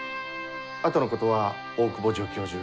あとのことは大窪助教授